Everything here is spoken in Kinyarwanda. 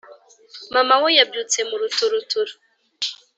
Mama we yabyutse mu ruturuturu